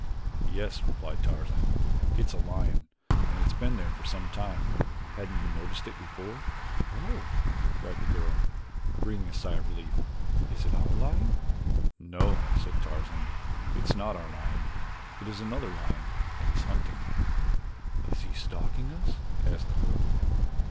"Yes," replied Tarzan, "it is a lion. It has been there for some time. Hadn't you noticed it before?" "Oh!" cried the girl, breathing a sigh of relief, "is it our lion?" "No," said Tarzan, "it is not our lion; it is another lion and he is hunting." "He is stalking us?" asked the girl.